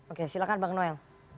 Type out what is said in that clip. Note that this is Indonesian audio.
oke silahkan bang noel